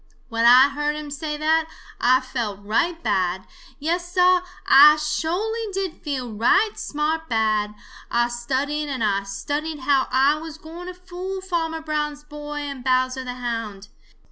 "When I heard him say that, Ah felt right bad. Yes, Sah, Ah sho'ly did feel right smart bad. Ah studied and Ah studied how Ah was gwine to fool Farmer Brown's boy and Bowser the Hound.